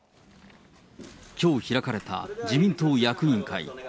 きょう開かれた自民党役員会。